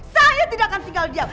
saya tidak akan singgal diam